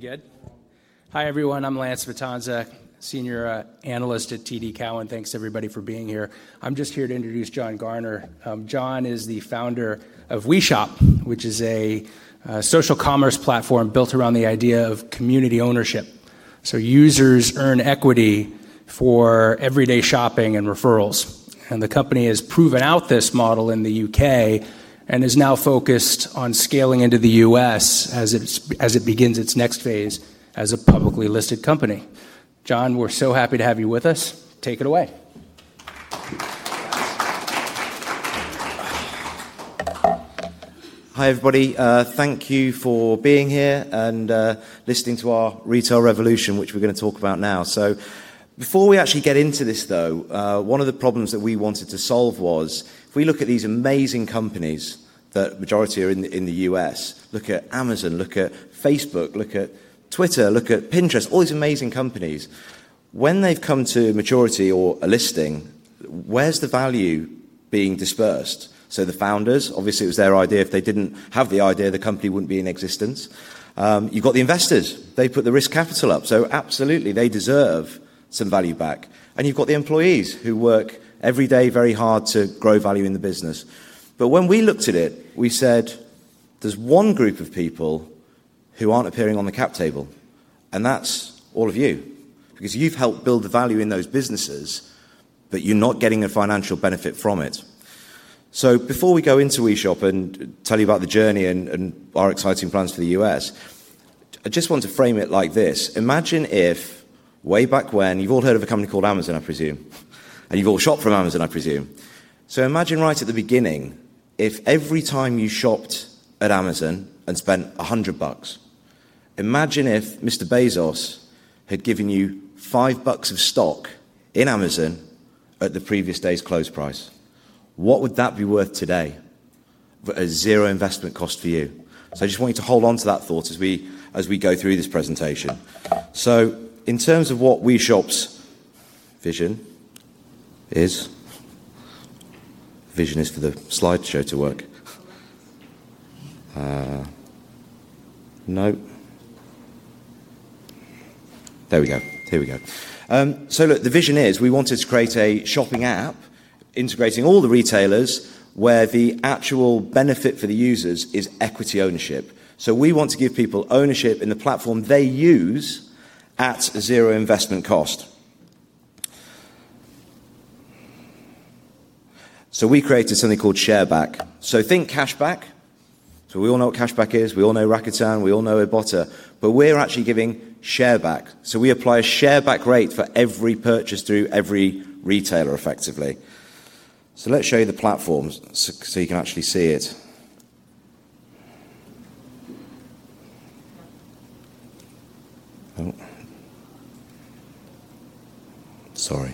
We good? Hi, everyone. I'm Lance Vitanza, senior analyst at TD Cowen. Thanks everybody for being here. I'm just here to introduce John Garner. John is the founder of WeShop, which is a social commerce platform built around the idea of community ownership. Users earn equity for everyday shopping and referrals. The company has proven out this model in the U.K. and is now focused on scaling into the U.S. as it begins its next phase as a publicly listed company. John, we're so happy to have you with us. Take it away. Hi, everybody. Thank you for being here and listening to our retail revolution, which we're going to talk about now. Before we actually get into this though, one of the problems that we wanted to solve was if we look at these amazing companies, the majority are in the U.S. Look at Amazon, look at Facebook, look at Twitter, look at Pinterest, all these amazing companies. When they've come to maturity or a listing, where's the value being dispersed? The founders, obviously it was their idea. If they didn't have the idea, the company wouldn't be in existence. You've got the investors, they put the risk capital up. Absolutely they deserve some value back. You've got the employees who work every day very hard to grow value in the business. When we looked at it, we said there's one group of people who aren't appearing on the cap table, and that's all of you, because you've helped build the value in those businesses, but you're not getting a financial benefit from it. Before we go into WeShop and tell you about the journey and our exciting plans for the U.S., I just want to frame it like this. Imagine if way back when, you've all heard of a company called Amazon, I presume, and you've all shopped from Amazon, I presume. Imagine right at the beginning, if every time you shopped at Amazon and spent $100, imagine if Mr. Bezos had given you $5 of stock in Amazon at the previous day's close price. What would that be worth today? At zero investment cost for you. I just want you to hold onto that thought as we go through this presentation. In terms of what WeShop's vision is, vision is for the slideshow to work. No. There we go. Here we go. Look, the vision is we wanted to create a shopping app integrating all the retailers where the actual benefit for the users is equity ownership. We want to give people ownership in the platform they use at zero investment cost. We created something called ShareBack. Think cashback. We all know what cashback is. We all know Rakuten, we all know Ibotta, but we're actually giving ShareBack. We apply a ShareBack rate for every purchase through every retailer effectively. Let's show you the platform so you can actually see it. Sorry.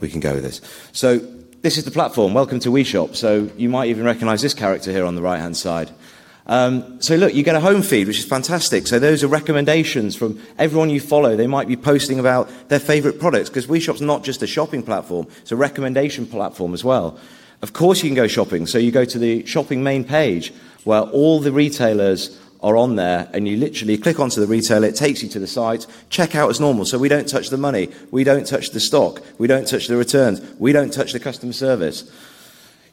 We can go with this. This is the platform. Welcome to WeShop. You might even recognize this character here on the right-hand side. Look, you get a home feed, which is fantastic. Those are recommendations from everyone you follow. They might be posting about their favorite products because WeShop's not just a shopping platform, it's a recommendation platform as well. Of course, you can go shopping, so you go to the shopping main page where all the retailers are on there, and you literally click onto the retailer. It takes you to the site, check out as normal. We don't touch the money, we don't touch the stock, we don't touch the returns, we don't touch the customer service.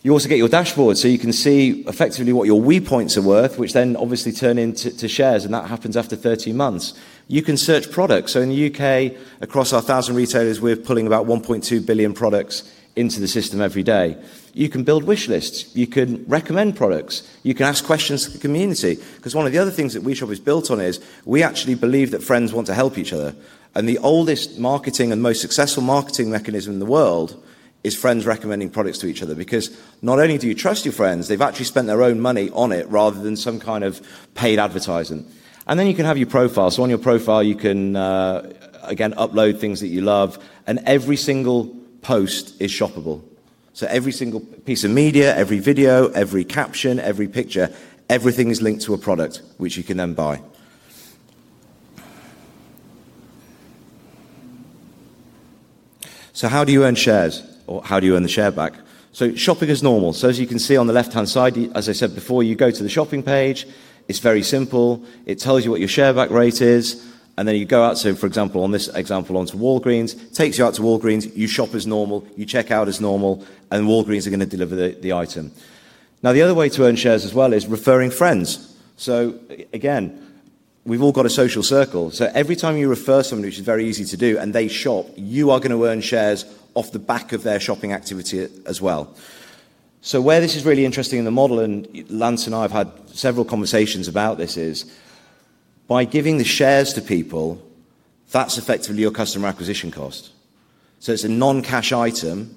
You also get your dashboard so you can see effectively what your WePoints are worth, which then obviously turn into shares, and that happens after 13 months. You can search products. In the U.K., across our 1,000 retailers, we're pulling about 1.2 billion products into the system every day. You can build wishlists, you can recommend products, you can ask questions to the community because one of the other things that WeShop is built on is we actually believe that friends want to help each other. The oldest marketing and most successful marketing mechanism in the world is friends recommending products to each other because not only do you trust your friends, they've actually spent their own money on it rather than some kind of paid advertising. You can have your profile. On your profile, you can, again, upload things that you love, and every single post is shoppable. Every single piece of media, every video, every caption, every picture, everything is linked to a product which you can then buy. How do you earn shares or how do you earn the ShareBack? Shopping is normal. As you can see on the left-hand side, as I said before, you go to the shopping page. It's very simple. It tells you what your ShareBack rate is, and then you go out, so for example, on this example onto Walgreens, takes you out to Walgreens, you shop as normal, you check out as normal, and Walgreens are going to deliver the item. Now, the other way to earn shares as well is referring friends. Again, we've all got a social circle. Every time you refer someone, which is very easy to do, and they shop, you are going to earn shares off the back of their shopping activity as well. Where this is really interesting in the model, Lance and I have had several conversations about this, is by giving the shares to people, that's effectively your customer acquisition cost. It's a non-cash item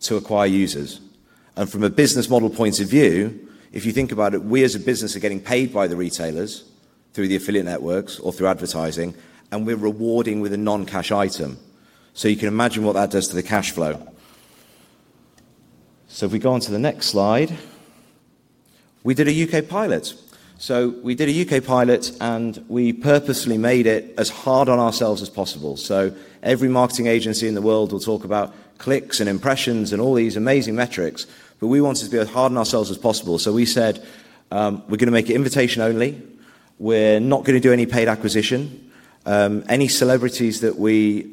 to acquire users. From a business model point of view, if you think about it, we as a business are getting paid by the retailers through the affiliate networks or through advertising, and we're rewarding with a non-cash item. You can imagine what that does to the cash flow. If we go onto the next slide, we did a U.K. pilot. We did a U.K. pilot and we purposely made it as hard on ourselves as possible. Every marketing agency in the world will talk about clicks and impressions and all these amazing metrics, but we wanted to be as hard on ourselves as possible. We said, 'We're going to make it invitation only. We're not going to do any paid acquisition. Any celebrities that we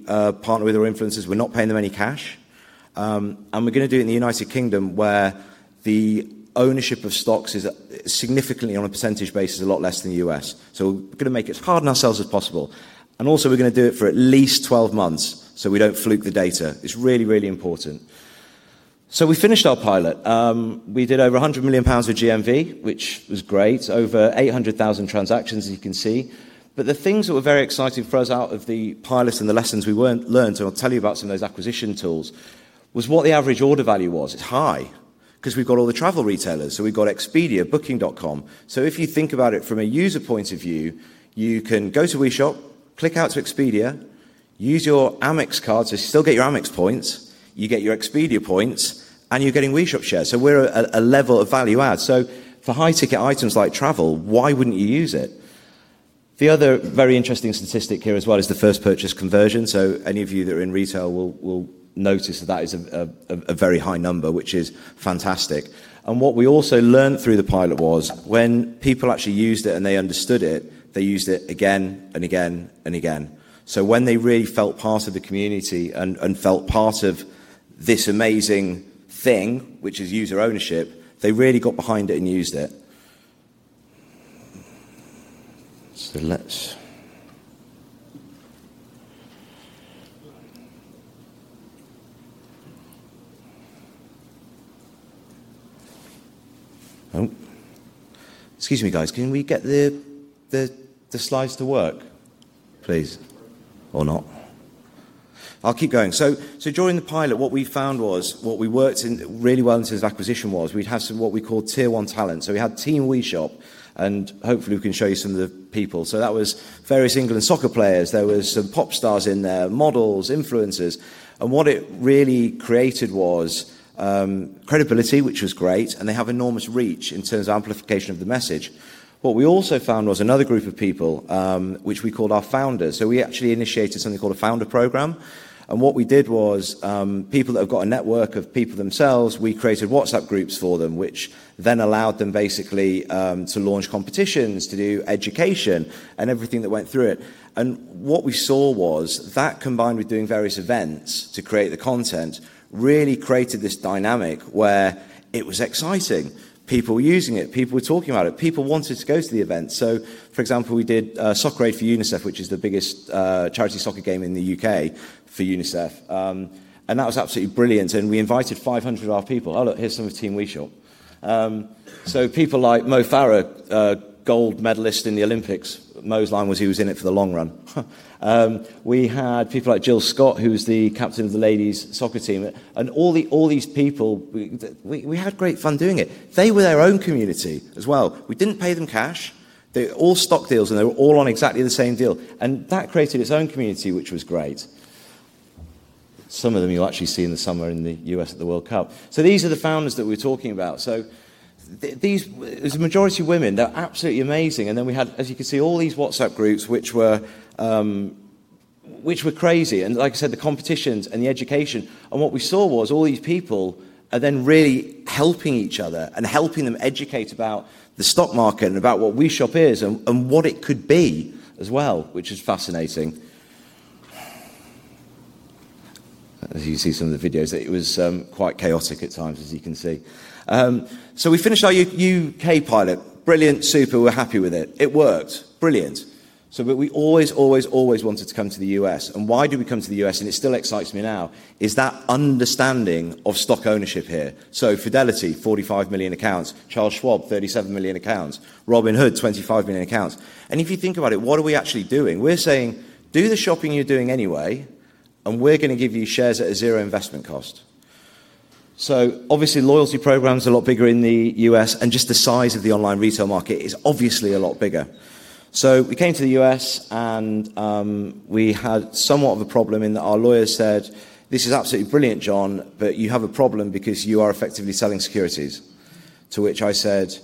partner with or influencers, we're not paying them any cash. We're going to do it in the United Kingdom, where the ownership of stocks is significantly on a percentage basis a lot less than the U.S. We're going to make it as hard on ourselves as possible. Also, we're going to do it for at least 12 months, so we don't fluke the data.' It's really, really important. We finished our pilot. We did over 100 million pounds of GMV, which was great. Over 800,000 transactions, as you can see. The things that were very exciting for us out of the pilot and the lessons we learned, and I'll tell you about some of those acquisition tools, was what the average order value was. It's high, because we've got all the travel retailers. We've got Expedia, Booking.com. If you think about it from a user point of view, you can go to WeShop, click out to Expedia, use your Amex card, so you still get your Amex points, you get your Expedia points, and you're getting WeShop shares. We're a level of value add. For high ticket items like travel, why wouldn't you use it? The other very interesting statistic here as well is the first purchase conversion. Any of you that are in retail will notice that that is a very high number, which is fantastic. What we also learned through the pilot was when people actually used it and they understood it, they used it again and again and again. When they really felt part of the community and felt part of this amazing thing, which is user ownership, they really got behind it and used it. Let's excuse me, guys, can we get the slides to work, please? Or not. I'll keep going. During the pilot, what we found was what we worked in really well in terms of acquisition was we'd have some what we called tier 1 talent. We had Team WeShop and hopefully we can show you some of the people. That was various England soccer players. There was some pop stars in there, models, influencers. What it really created was credibility, which was great, and they have enormous reach in terms of amplification of the message. What we also found was another group of people, which we called our founders. We actually initiated something called a founder program. What we did was people that have got a network of people themselves, we created WhatsApp groups for them, which then allowed them basically to launch competitions, to do education, and everything that went through it. What we saw was that combined with doing various events to create the content really created this dynamic where it was exciting. People were using it, people were talking about it. People wanted to go to the event. For example, we did Soccer Aid for UNICEF, which is the biggest charity soccer game in the U.K. for UNICEF. That was absolutely brilliant. We invited 500 of our people. Oh, look, here's some of Team WeShop. People like Mo Farah, gold medalist in the Olympics. Mo's line was he was in it for the long run. We had people like Jill Scott, who was the captain of the ladies' soccer team and all these people. We had great fun doing it. They were their own community as well. We didn't pay them cash. They were all stock deals and they were all on exactly the same deal. That created its own community, which was great. Some of them you'll actually see in the summer in the U.S. at the World Cup. These are the founders that we're talking about. It was majority women. They're absolutely amazing. Then we had, as you can see, all these WhatsApp groups which were crazy and like I said, the competitions and the education. What we saw was all these people are then really helping each other and helping them educate about the stock market and about what WeShop is and what it could be as well, which is fascinating. As you can see some of the videos, it was quite chaotic at times, as you can see. We finished our U.K. pilot. Brilliant, super. We're happy with it. It worked. Brilliant. We always wanted to come to the U.S., and why did we come to the U.S.? It still excites me now, is that understanding of stock ownership here. Fidelity, 45 million accounts. Charles Schwab, 37 million accounts. Robinhood, 25 million accounts. If you think about it, what are we actually doing? We're saying, "Do the shopping you're doing anyway and we're going to give you shares at a zero investment cost." Obviously, loyalty program's a lot bigger in the U.S. and just the size of the online retail market is obviously a lot bigger. We came to the U.S. and we had somewhat of a problem in that our lawyer said, "This is absolutely brilliant, John, but you have a problem because you are effectively selling securities." To which I said,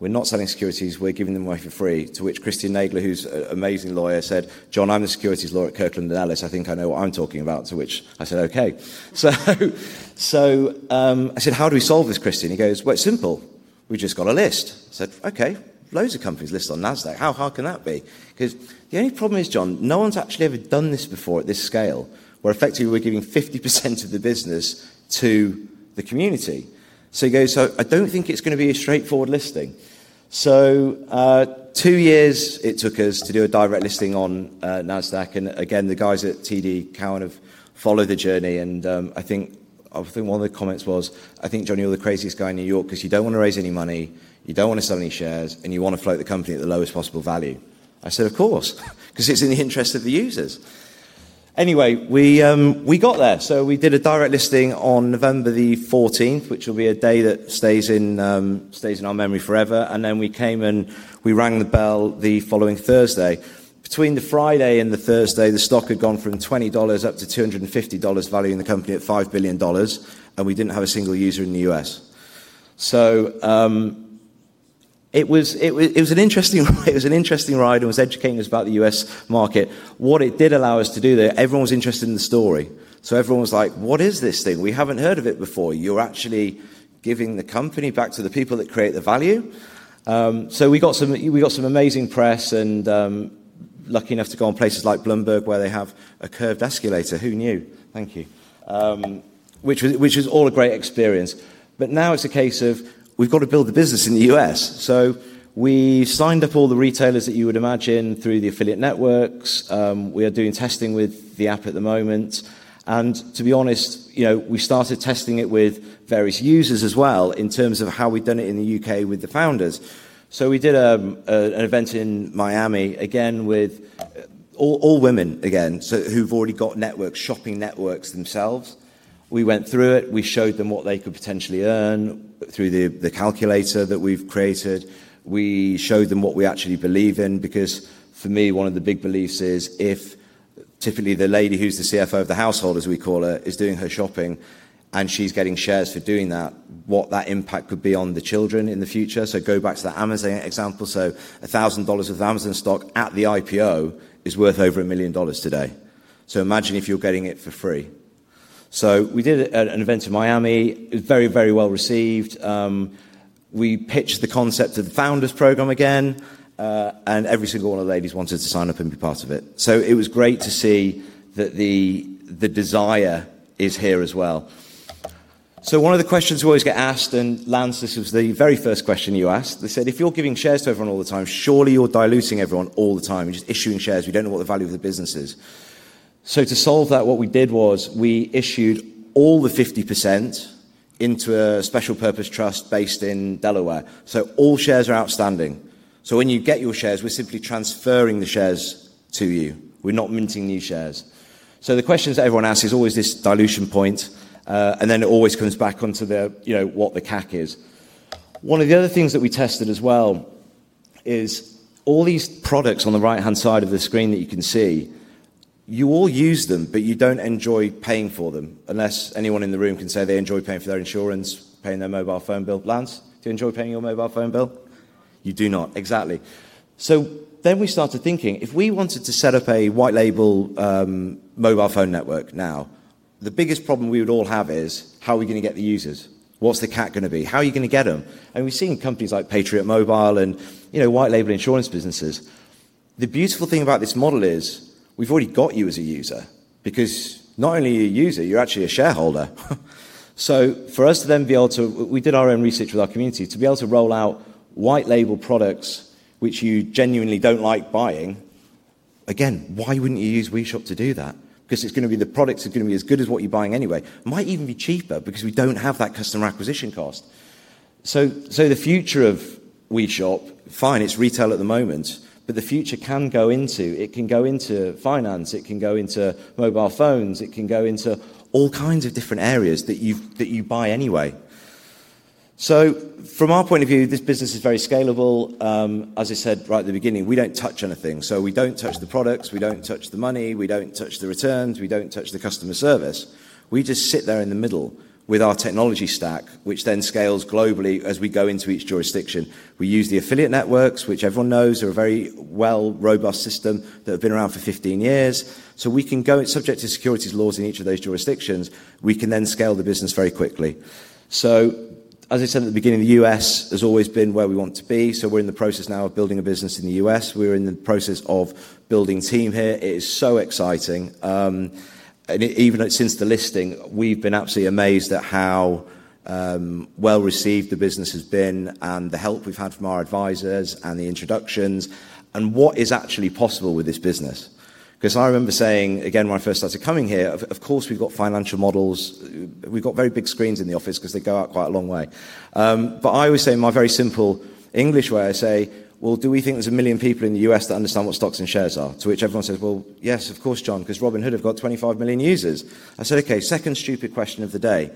"We're not selling securities, we're giving them away for free." To which Christian Nagler, who's an amazing lawyer, said, "John, I'm the securities lawyer at Kirkland & Ellis. I think I know what I'm talking about." To which I said, "Okay." I said, "How do we solve this, Christian?" He goes, "Well, it's simple. We've just got to list." I said, "Okay, loads of companies list on Nasdaq. How hard can that be?" He goes, "The only problem is, John, no one's actually ever done this before at this scale, where effectively we're giving 50% of the business to the community." He goes, "I don't think it's going to be a straightforward listing." Two years it took us to do a direct listing on Nasdaq and again, the guys at TD Cowen have followed the journey and I think one of the comments was, "I think, John, you're the craziest guy in New York because you don't want to raise any money, you don't want to sell any shares, and you want to float the company at the lowest possible value." I said, "Of course, because it's in the interest of the users." Anyway, we got there. We did a direct listing on November the 14th, which will be a day that stays in our memory forever. We came and we rang the bell the following Thursday. Between the Friday and the Thursday, the stock had gone from $20 up to $250, valuing the company at $5 billion, and we didn't have a single user in the U.S. It was an interesting ride, and it was educating us about the U.S. market. What it did allow us to do there, everyone was interested in the story. Everyone was like, "What is this thing? We haven't heard of it before. You're actually giving the company back to the people that create the value?" We got some amazing press and lucky enough to go on places like Bloomberg where they have a curved escalator. Who knew? Thank you. Which was all a great experience. Now it's a case of we've got to build the business in the U.S. We signed up all the retailers that you would imagine through the affiliate networks. We are doing testing with the app at the moment. To be honest, we started testing it with various users as well in terms of how we'd done it in the U.K. with the founders. We did an event in Miami, again, with all women again, who've already got shopping networks themselves. We went through it. We showed them what they could potentially earn through the calculator that we've created. We showed them what we actually believe in because, for me, one of the big beliefs is if typically the lady who's the Chief Financial Officer of the household, as we call her, is doing her shopping and she's getting shares for doing that, what that impact could be on the children in the future. Go back to that Amazon example. $1,000 of Amazon stock at the IPO is worth over $1 million today. Imagine if you're getting it for free. We did an event in Miami. It was very well-received. We pitched the concept of the Founders program again, and every single one of the ladies wanted to sign up and be part of it. It was great to see that the desire is here as well. One of the questions we always get asked, and Lance, this was the very first question you asked. They said, "If you're giving shares to everyone all the time, surely you're diluting everyone all the time. You're just issuing shares. We don't know what the value of the business is." To solve that, what we did was we issued all the 50% into a special purpose trust based in Delaware. All shares are outstanding. When you get your shares, we're simply transferring the shares to you. We're not minting new shares. The questions that everyone asks is always this dilution point, and then it always comes back onto what the CAC is. One of the other things that we tested as well is all these products on the right-hand side of the screen that you can see, you all use them, but you don't enjoy paying for them unless anyone in the room can say they enjoy paying for their insurance, paying their mobile phone bill. Lance, do you enjoy paying your mobile phone bill? No. You do not, exactly. We started thinking if we wanted to set up a white label mobile phone network now, the biggest problem we would all have is: how are we going to get the users? What's the CAC going to be? How are you going to get them? We've seen companies like Patriot Mobile and white label insurance businesses. The beautiful thing about this model is we've already got you as a user because not only are you a user, you're actually a shareholder. We did our own research with our community, to be able to roll out white label products, which you genuinely don't like buying, again, why wouldn't you use WeShop to do that? The products are going to be as good as what you're buying anyway. Might even be cheaper because we don't have that customer acquisition cost. The future of WeShop, fine, it's retail at the moment, but the future can go into finance, it can go into mobile phones, it can go into all kinds of different areas that you buy anyway. From our point of view, this business is very scalable. As I said right at the beginning, we don't touch anything. We don't touch the products, we don't touch the money, we don't touch the returns, we don't touch the customer service. We just sit there in the middle with our technology stack, which then scales globally as we go into each jurisdiction. We use the affiliate networks, which everyone knows are a very well robust system that have been around for 15 years. We can go, subject to securities laws in each of those jurisdictions, we can then scale the business very quickly. As I said at the beginning, the U.S. has always been where we want to be. We're in the process now of building a business in the U.S. We're in the process of building team here. It is so exciting. Even since the listing, we've been absolutely amazed at how well-received the business has been and the help we've had from our advisors and the introductions and what is actually possible with this business. I remember saying, again, when I first started coming here, of course, we've got financial models. We've got very big screens in the office because they go out quite a long way. I always say in my very simple English way, I say, "Well, do we think there's a million people in the U.S. that understand what stocks and shares are?" To which everyone says, "Well, yes, of course, John, because Robinhood have got 25 million users." I said, "Okay, second stupid question of the day.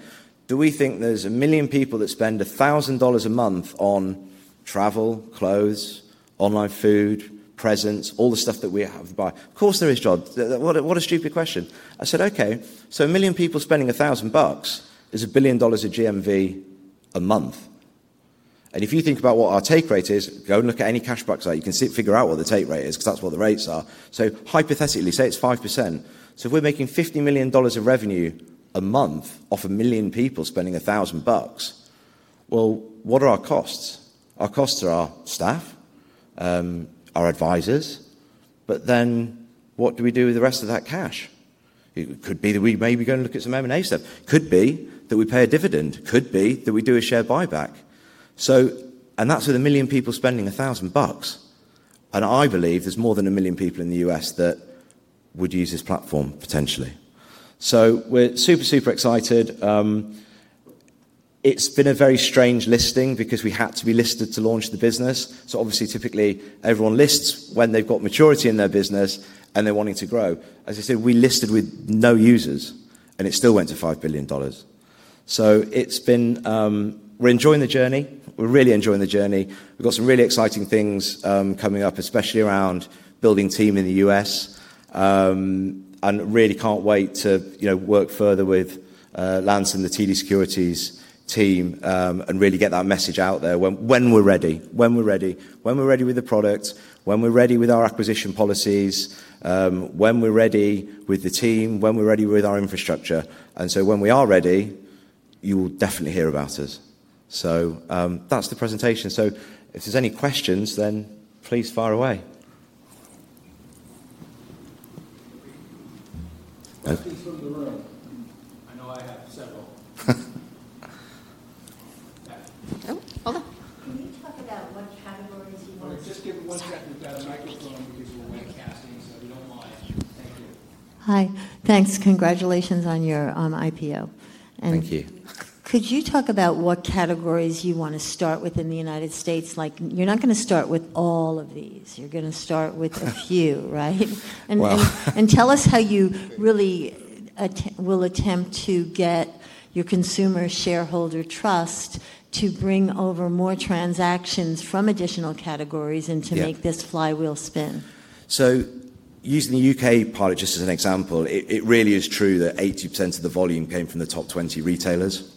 Do we think there's a million people that spend $1,000 a month on travel, clothes, online food, presents, all the stuff that we buy?" "Of course there is, John. What a stupid question." I said, "Okay, a million people spending $1,000 is $1 billion of GMV a month." If you think about what our take rate is, go and look at any cash back site, you can figure out what the take rate is because that's what the rates are. Hypothetically, say it's 5%. If we're making $50 million of revenue a month off a million people spending $1,000, what are our costs? Our costs are our staff, our advisors, what do we do with the rest of that cash? Could be that we may be going to look at some M&A. Could be that we pay a dividend. Could be that we do a share buyback. That's with a million people spending $1,000, I believe there's more than a million people in the U.S. that would use this platform potentially. We're super excited. It's been a very strange listing because we had to be listed to launch the business. Typically, everyone lists when they've got maturity in their business and they're wanting to grow. As I said, we listed with no users and it still went to $5 billion. We're enjoying the journey. We're really enjoying the journey. We've got some really exciting things coming up, especially around building team in the U.S., and really can't wait to work further with Lance and the TD Cowen team, and really get that message out there when we're ready. When we're ready with the product, when we're ready with our acquisition policies, when we're ready with the team, when we're ready with our infrastructure. When we are ready, you will definitely hear about us. That's the presentation. If there's any questions, then please fire away. Questions from the room. I know I have several. Oh, hold on. Can you talk about what categories you want to start with? Just give her one second to get a microphone because we're webcasting. Thank you. Hi. Thanks. Congratulations on your IPO. Thank you. Could you talk about what categories you want to start with in the U.S.? You're not going to start with all of these. You're going to start with a few, right? Well. Tell us how you really will attempt to get your consumer shareholder trust to bring over more transactions from additional categories? Yeah. To make this flywheel spin. Using the U.K. pilot just as an example, it really is true that 80% of the volume came from the top 20 retailers.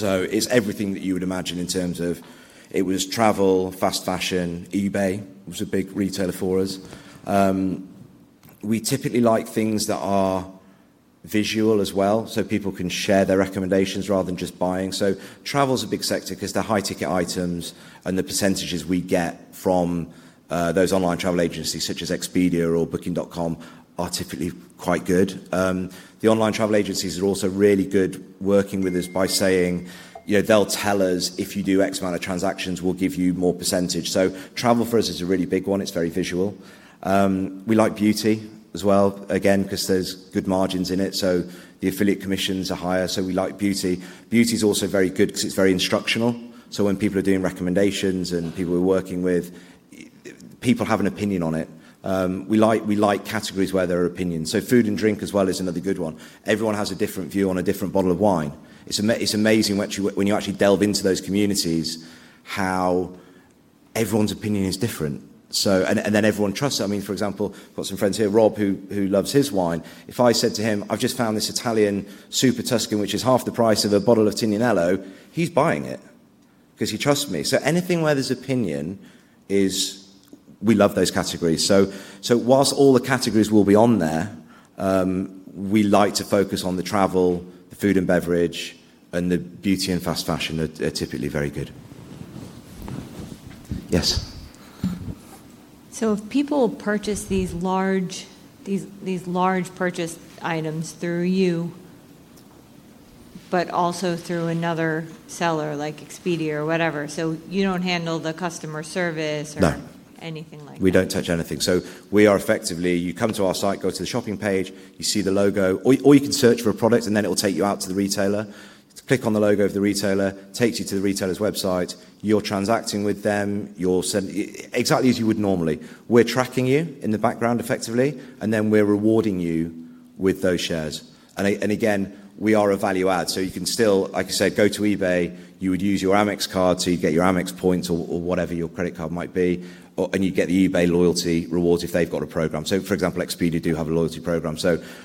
It's everything that you would imagine in terms of it was travel, fast fashion, eBay was a big retailer for us. We typically like things that are visual as well, so people can share their recommendations rather than just buying. Travel's a big sector because they're high-ticket items, and the percentages we get from those online travel agencies such as Expedia or Booking.com are typically quite good. The online travel agencies are also really good working with us by saying, they'll tell us, "If you do X amount of transactions, we'll give you more percentage." Travel for us is a really big one. It's very visual. We like beauty as well, again, because there's good margins in it. The affiliate commissions are higher, so we like beauty. Beauty's also very good because it's very instructional. When people are doing recommendations and people we're working with, people have an opinion on it. We like categories where there are opinions. Food and drink as well is another good one. Everyone has a different view on a different bottle of wine. It's amazing when you actually delve into those communities how everyone's opinion is different, and then everyone trusts it. For example, got some friends here, Rob, who loves his wine. If I said to him, "I've just found this Italian super Tuscan, which is half the price of a bottle of Tignanello," he's buying it because he trusts me. Anything where there's opinion is we love those categories. Whilst all the categories will be on there, we like to focus on the travel, the food and beverage, and the beauty and fast fashion are typically very good. Yes. If people purchase these large purchase items through you, but also through another seller like Expedia or whatever, so you don't handle the customer service? No. Anything like that? We don't touch anything. We are effectively, you come to our site, go to the shopping page, you see the logo, or you can search for a product, it will take you out to the retailer. Click on the logo of the retailer, takes you to the retailer's website. You're transacting with them exactly as you would normally. We're tracking you in the background effectively, we're rewarding you with those shares. Again, we are a value add, you can still, like I said, go to eBay. You would use your Amex card, you'd get your Amex points or whatever your credit card might be, you'd get the eBay loyalty rewards if they've got a program. For example, Expedia do have a loyalty program,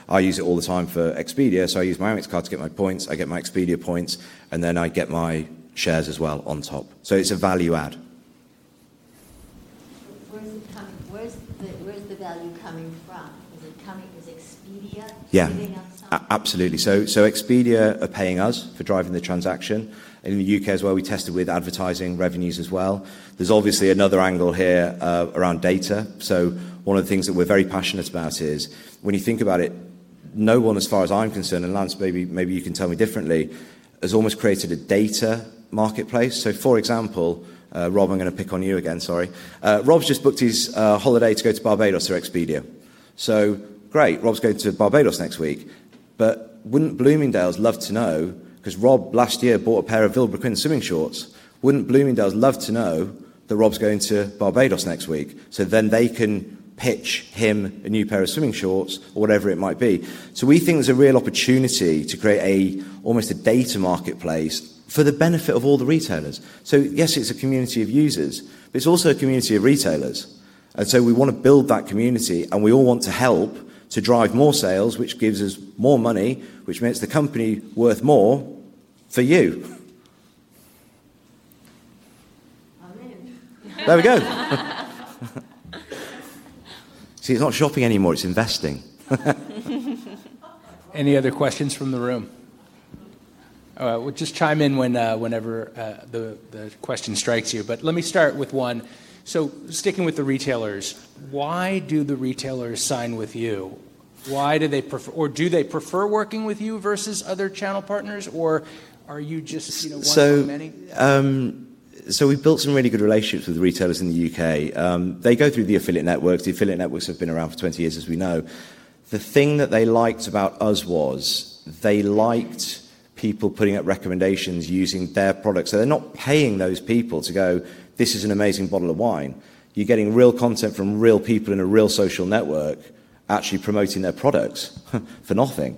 I use it all the time for Expedia. I use my Amex card to get my points, I get my Expedia points, and then I get my shares as well on top. It's a value add. Where's the value coming from? Is Expedia- Yeah. Sitting outside? Absolutely. Expedia are paying us for driving the transaction, and in the U.K. as well, we tested with advertising revenues as well. There's obviously another angle here around data. One of the things that we're very passionate about is when you think about it, no one, as far as I'm concerned, and Lance, maybe you can tell me differently, has almost created a data marketplace. For example, Rob, I'm going to pick on you again, sorry. Rob's just booked his holiday to go to Barbados through Expedia. Great, Rob's going to Barbados next week. Wouldn't Bloomingdale's love to know, because Rob last year bought a pair of Vilebrequin swimming shorts, wouldn't Bloomingdale's love to know that Rob's going to Barbados next week? Then they can pitch him a new pair of swimming shorts or whatever it might be. We think there's a real opportunity to create almost a data marketplace for the benefit of all the retailers. Yes, it's a community of users, but it's also a community of retailers. We want to build that community, and we all want to help to drive more sales, which gives us more money, which makes the company worth more for you. I'm in. There we go. See, it's not shopping anymore. It's investing. Any other questions from the room? All right. Well, just chime in whenever the question strikes you. Let me start with one. Sticking with the retailers, why do the retailers sign with you? Do they prefer working with you versus other channel partners, or are you just one of many? We've built some really good relationships with retailers in the U.K. They go through the affiliate networks. The affiliate networks have been around for 20 years, as we know. The thing that they liked about us was they liked people putting up recommendations using their products. They're not paying those people to go, "This is an amazing bottle of wine." You're getting real content from real people in a real social network. Actually promoting their product for nothing.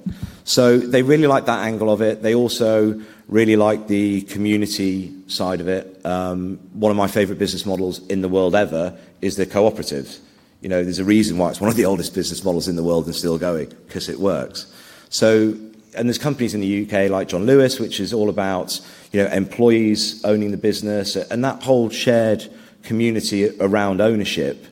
They really like that angle of it. They also really like the community side of it. One of my favorite business models in the world ever is the cooperative. There's a reason why it's one of the oldest business models in the world and still going, because it works. There's companies in the U.K. like John Lewis, which is all about employees owning the business, and that whole shared community around ownership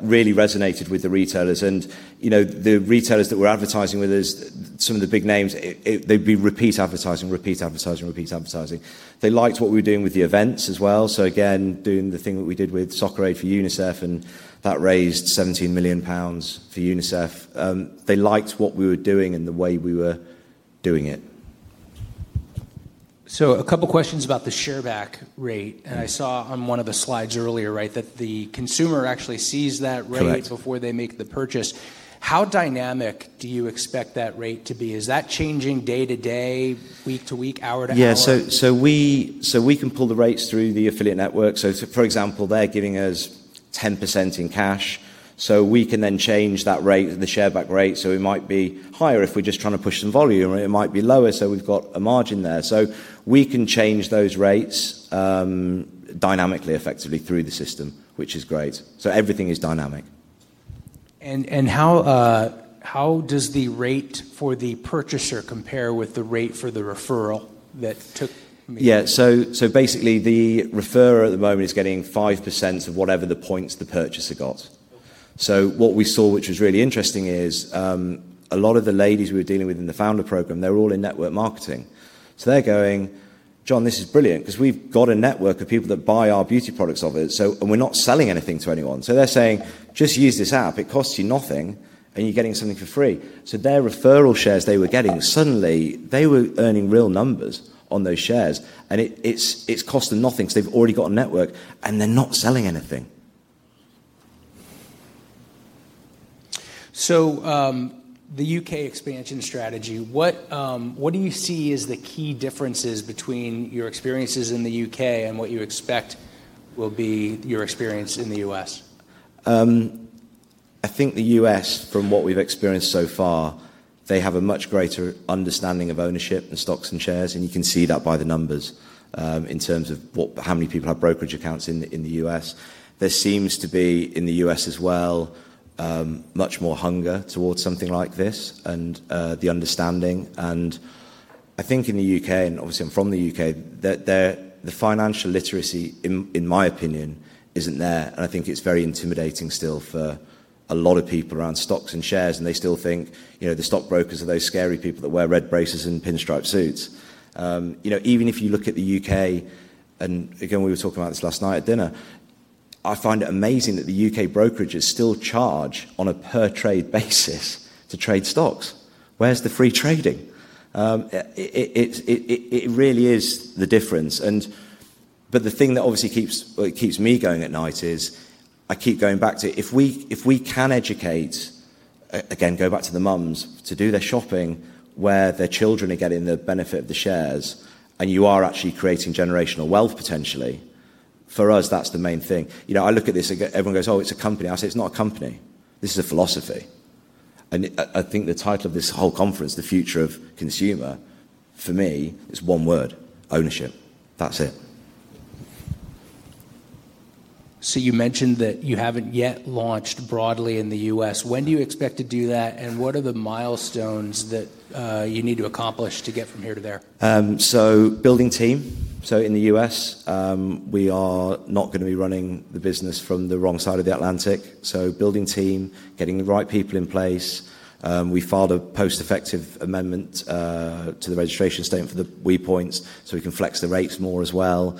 really resonated with the retailers. The retailers that we're advertising with is some of the big names. They'd be repeat advertising. They liked what we were doing with the events as well. Again, doing the thing that we did with Soccer Aid for UNICEF, and that raised 17 million pounds for UNICEF. They liked what we were doing and the way we were doing it. A couple questions about the ShareBack rate. I saw on one of the slides earlier, that the consumer actually sees that rate- Correct. Before they make the purchase. How dynamic do you expect that rate to be? Is that changing day to day, week to week, hour to hour? Yeah. We can pull the rates through the affiliate network. For example, they're giving us 10% in cash, so we can then change that rate, the ShareBack rate. It might be higher if we're just trying to push some volume, or it might be lower so we've got a margin there. We can change those rates dynamically, effectively through the system, which is great. Everything is dynamic. How does the rate for the purchaser compare with the rate for the referral that took me? Yeah. Basically, the referrer at the moment is getting 5% of whatever the points the purchaser got. What we saw, which was really interesting, is a lot of the ladies we were dealing with in the founder program, they're all in network marketing. They're going, "John, this is brilliant because we've got a network of people that buy our beauty products off it, and we're not selling anything to anyone." They're saying, "Just use this app. It costs you nothing, and you're getting something for free." Their referral shares they were getting, suddenly they were earning real numbers on those shares, and it's cost them nothing because they've already got a network, and they're not selling anything. The U.K. expansion strategy, what do you see as the key differences between your experiences in the U.K. and what you expect will be your experience in the U.S.? I think the U.S., from what we've experienced so far, they have a much greater understanding of ownership and stocks and shares, and you can see that by the numbers, in terms of how many people have brokerage accounts in the U.S. There seems to be, in the U.S. as well, much more hunger towards something like this and the understanding. I think in the U.K., and obviously I'm from the U.K., the financial literacy, in my opinion, isn't there. I think it's very intimidating still for a lot of people around stocks and shares, and they still think the stockbrokers are those scary people that wear red braces and pinstripe suits. Even if you look at the U.K., and again, we were talking about this last night at dinner, I find it amazing that the U.K. brokerages still charge on a per trade basis to trade stocks. Where's the free trading? It really is the difference. The thing that obviously keeps me going at night is I keep going back to if we can educate, again, go back to the moms to do their shopping where their children are getting the benefit of the shares, and you are actually creating generational wealth potentially. For us, that's the main thing. I look at this, everyone goes, "Oh, it's a company." I say, "It's not a company. This is a philosophy." I think the title of this whole conference, The Future of Consumer, for me, is one word, ownership. That's it. You mentioned that you haven't yet launched broadly in the U.S. When do you expect to do that, and what are the milestones that you need to accomplish to get from here to there? Building team. In the U.S., we are not going to be running the business from the wrong side of the Atlantic. Building team, getting the right people in place. We filed a post-effective amendment to the registration statement for the WePoints, so we can flex the rates more as well.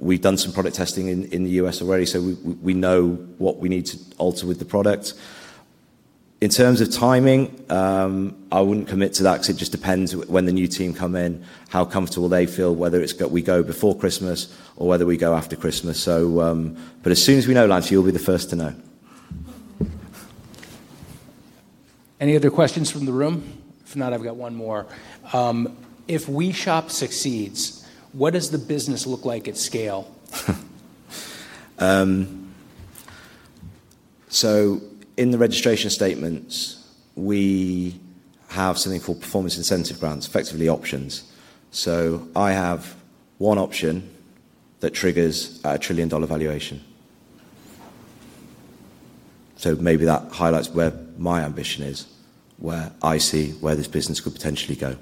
We've done some product testing in the U.S. already, so we know what we need to alter with the product. In terms of timing, I wouldn't commit to that because it just depends when the new team come in, how comfortable they feel, whether we go before Christmas or whether we go after Christmas. As soon as we know, Lance, you'll be the first to know. Any other questions from the room? If not, I've got one more. If WeShop succeeds, what does the business look like at scale? In the registration statements, we have something called performance incentive grants, effectively options. I have one option that triggers a $1 trillion valuation. Maybe that highlights where my ambition is, where I see where this business could potentially go.